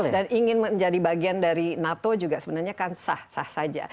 ingin menjadi bagian dari nato juga sebenarnya kan sah sah saja